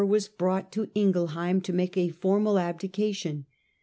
i8i was brought to Ingelheim, to make a formal abdication.